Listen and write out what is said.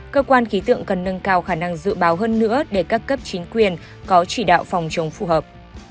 cơ quan khí tượng cần nâng cao khả năng dự báo hơn nữa để các cấp chính quyền có chỉ đạo phòng chống phù hợp